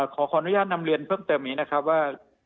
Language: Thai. ขออนุญาตนำเรียนเพิ่มเติมนี้นะครับว่า